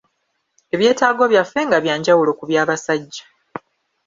Ebyetaago byaffe bya njawulo ku by’abasajja.